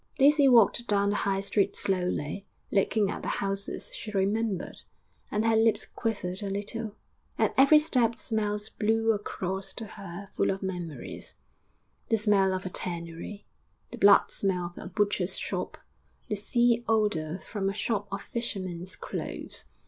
XV Daisy walked down the High Street slowly, looking at the houses she remembered, and her lips quivered a little; at every step smells blew across to her full of memories the smell of a tannery, the blood smell of a butcher's shop, the sea odour from a shop of fishermen's clothes....